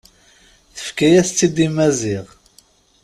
Tefka-yas-tt-id i Maziɣ.